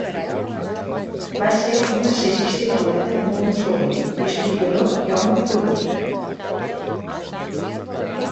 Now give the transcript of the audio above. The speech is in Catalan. Va ser un assagista i poeta molt influent, historiador i home polític.